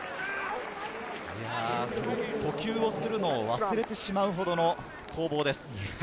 呼吸をするのを忘れてしまうほどの攻防です。